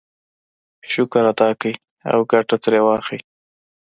شکر ادا کړئ او ګټه ترې واخلئ.